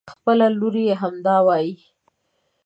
خپله لور يې هم همدا وايي.